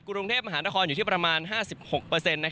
กรุงเทพมหานครอยู่ที่ประมาณ๕๖เปอร์เซ็นต์นะครับ